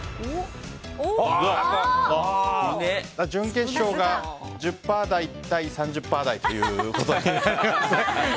準決勝が１０％台対３０％台ということになりますね。